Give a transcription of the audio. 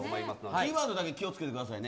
キーワードだけ気を付けてくださいね。